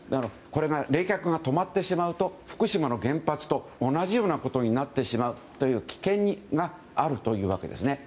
冷却が止まってしまうと福島の原発と同じようなことになってしまうという危険があるというわけです。